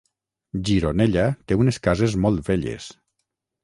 Gironella té unes cases molt velles